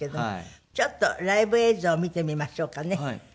ちょっとライブ映像を見てみましょうかね。